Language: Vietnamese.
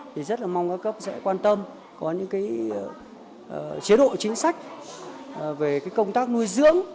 thì rất là mong các cấp sẽ quan tâm có những chế độ chính sách về công tác nuôi dưỡng